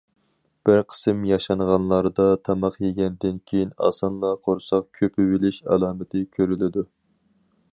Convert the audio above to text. بىر قىسىم ياشانغانلاردا تاماق يېگەندىن كېيىن ئاسانلا قورساق كۆپۈۋېلىش ئالامىتى كۆرۈلىدۇ.